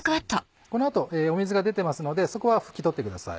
この後水が出てますのでそこは拭き取ってください。